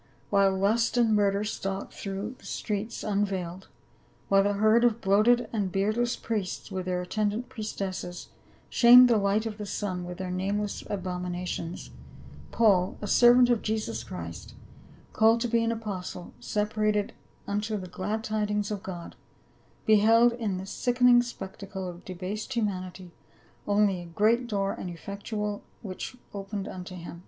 while lust and murder stalked through the streets unveiled, while the herd of bloated and beardless priests with their attendant priestesses shamed the light of the sun with their nameless abominations, Paul, a servant of Jesus Christ, called to be an apostle, sepa rated unto the glad tidings of God, beheld in this sickening spectacle of debased humanity only "a great door and effectual which was opened unto him."